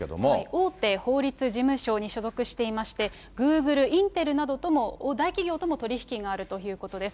大手法律事務所に所属していまして、グーグル、インテルなど大企業とも取り引きがあるということです。